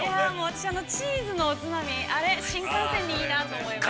◆私、チーズのおつまみ、あれ新幹線にいいなと思いました。